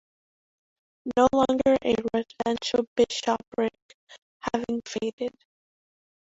No longer a residential bishopric, having faded.